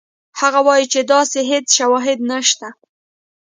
هغه وایي چې داسې هېڅ شواهد نشته.